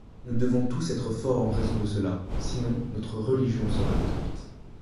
Nous devons tous être forts en raison de cela, sinon, notre religion sera détruite.